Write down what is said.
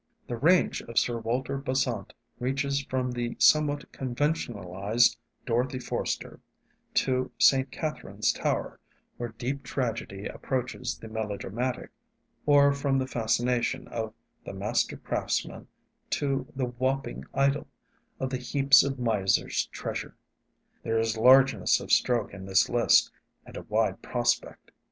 The range of Sir Walter Besant reaches from the somewhat conventionalized 'Dorothy Forster' to 'St. Katharine's Tower,' where deep tragedy approaches the melodramatic, or from the fascination of 'The Master Craftsman' to the 'Wapping Idyll' of the heaps of miser's treasure. There is largeness of stroke in this list, and a wide prospect.